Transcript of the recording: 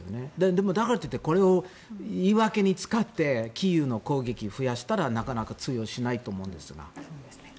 でも、だからといってこれを言い訳に使ってキーウの攻撃を増やしたらなかなか通用しないと思うんですが。